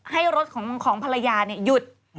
ให้รถของภรรยาหยุด